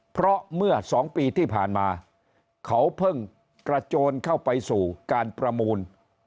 เพราะเมื่อ๒ปีที่ผ่านมาเขาเพิ่งกระโจนเข้าไปสู่การประมูล